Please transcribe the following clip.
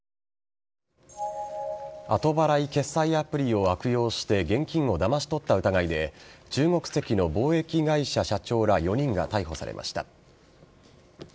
後払い決済アプリを悪用して現金をだまし取った疑いで中国籍の貿易会社社長ら４人が逮捕されました。